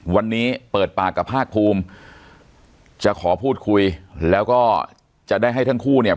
วันนี้เปิดปากกับภาคภูมิจะขอพูดคุยแล้วก็จะได้ให้ทั้งคู่เนี่ย